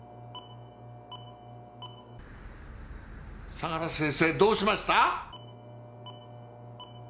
相良先生どうしました？